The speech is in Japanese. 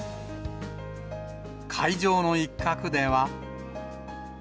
会場の一角では。